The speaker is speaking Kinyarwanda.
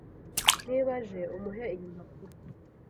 Niba aje, umuhe iyi mpapuro.